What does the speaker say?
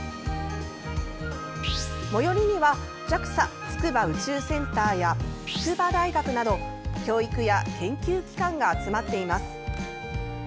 最寄りにはＪＡＸＡ筑波宇宙センターや筑波大学など教育や研究機関が集まっています。